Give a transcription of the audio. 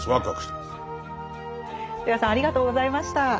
戸谷さんありがとうございました。